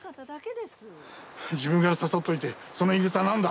自分から誘っといてその言いぐさは何だ！